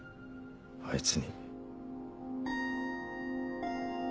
あいつに。